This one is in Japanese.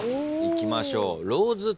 いきましょう。